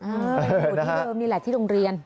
อยู่ที่เดิมนี่แหละที่โรงเรียน